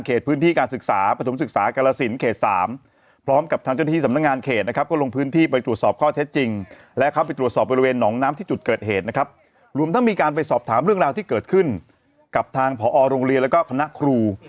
เข้าลงพื้นที่ไปตรวจสอบข้อเท็จจริงและเข้าไปตรวจสอบบรวมกันแหละความมีการไปสอบถามเรื่องราวที่เกิดขึ้นกับทางผโรงเรียและกับคณะครู